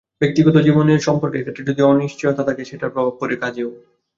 ব্যক্তিগত জীবনে সম্পর্কের ক্ষেত্রে যদি অনিশ্চয়তা থাকে, সেটার প্রভাব পড়ে কাজেও।